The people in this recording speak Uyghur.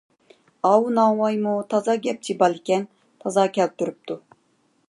ئاۋۇ ناۋايمۇ تازا گەپچى بالىكەن، تازا كەلتۈرۈپتۇ!